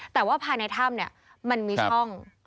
แต่ว่าภายในถ้ำมันมีช่อง